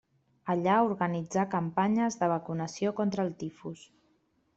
Allà organitzà campanyes de vacunació contra el tifus.